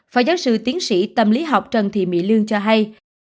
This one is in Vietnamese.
phó giáo sư tiến sĩ tâm lý học trần thị mỹ lương cho hay